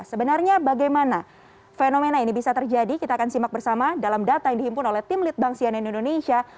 sebenarnya bagaimana fenomena ini bisa terjadi kita akan simak bersama dalam data yang dihimpun oleh tim litbang sianen indonesia